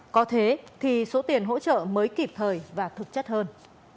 có thế thì số tiền hỗ trợ mới kịp thời và thực chất hơn